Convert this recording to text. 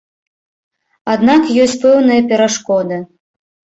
Аднак ёсць пэўныя перашкоды.